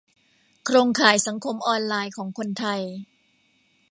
โครงข่ายสังคมออนไลน์ของคนไทย